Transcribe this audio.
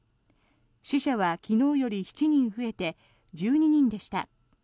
死者は昨日より７人増えて１２人でした。